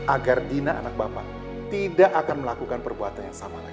agar dina anak bapak tidak akan melakukan perbuatan yang sama lagi